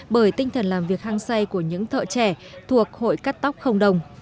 bởi tinh thần làm việc hăng say của những thợ trẻ thuộc hội cắt tóc không đồng